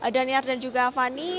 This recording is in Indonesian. daniar dan juga fani